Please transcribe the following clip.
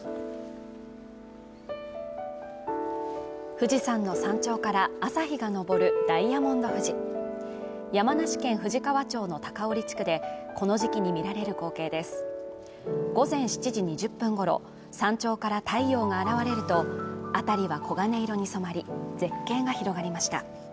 富士山の山頂から朝日が昇るダイヤモンド富士山梨県富士川町の高下地区でこの時期に見られる光景です午前７時２０分ごろ山頂から太陽が現れると辺りは黄金色に染まり絶景が広がりました